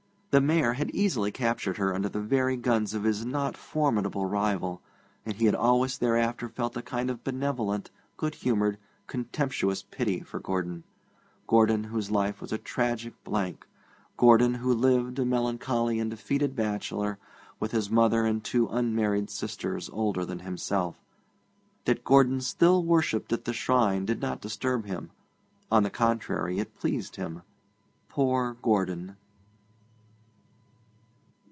The Mayor had easily captured her under the very guns of his not formidable rival, and he had always thereafter felt a kind of benevolent, good humoured, contemptuous pity for Gordon Gordon, whose life was a tragic blank; Gordon, who lived, a melancholy and defeated bachelor, with his mother and two unmarried sisters older than himself. That Gordon still worshipped at the shrine did not disturb him; on the contrary, it pleased him. Poor Gordon!